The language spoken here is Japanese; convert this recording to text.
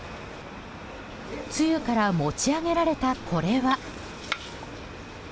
つゆから持ち上げられたこれは。